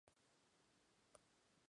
que ustedes no partieran